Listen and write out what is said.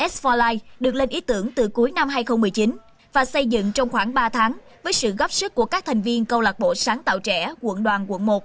s bốn life được lên ý tưởng từ cuối năm hai nghìn một mươi chín và xây dựng trong khoảng ba tháng với sự góp sức của các thành viên câu lạc bộ sáng tạo trẻ quận đoàn quận một